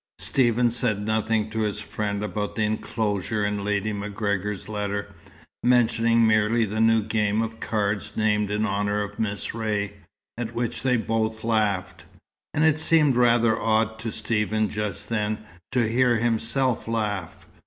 Stephen said nothing to his friend about the enclosure in Lady MacGregor's letter, mentioning merely the new game of cards named in honour of Miss Ray, at which they both laughed. And it seemed rather odd to Stephen just then, to hear himself laugh.